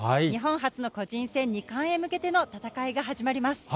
日本初の個人戦２冠へ向けての戦いが始まります。